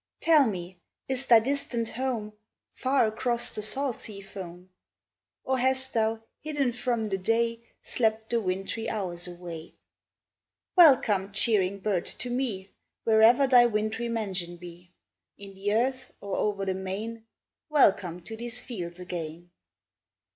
Tell me, is thy distant home Far across the salt sea foam? Or hast thou, hidden from the day, Slept the wintry hours away? Welcome, cheering bird to me, Where'er thy wintry mansion be, In the earth, or o'er the main, Welcome to these fields again!